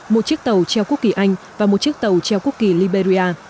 một chiếc tàu treo quốc kỳ anh và một chiếc tàu treo quốc kỳ liberia